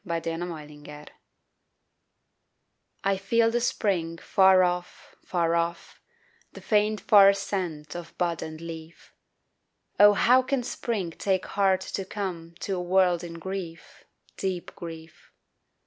SPRING IN WAR TIME I FEEL the Spring far off, far off, The faint far scent of bud and leaf Oh how can Spring take heart to come To a world in grief, Deep grief?